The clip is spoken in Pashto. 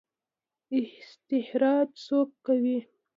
استخراج څوک کوي؟